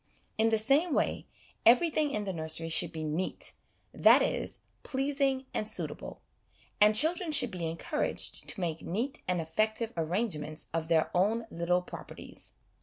In the same way, everything in the nursery should be ' neat ' that is, pleasing and suitable ; and children should be encouraged to make neat and effective arrangements of their own little properties.